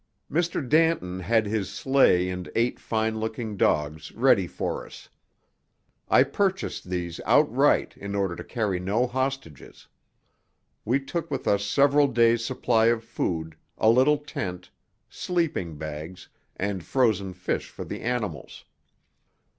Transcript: M. Danton had his sleigh and eight fine looking dogs ready for us. I purchased these outright in order to carry no hostages. We took with us several days' supply of food, a little tent, sleeping bags, and frozen fish for the animals.